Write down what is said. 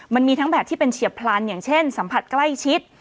มันมีทั้งแบบที่เป็นเฉียบพลันอย่างเช่นสัมผัสใกล้ชิด